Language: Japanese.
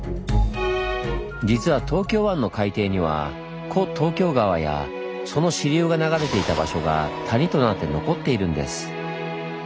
実は東京湾の海底には古東京川やその支流が流れていた場所が谷となって残っているんです。